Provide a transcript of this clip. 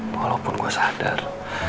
walaupun gue sadar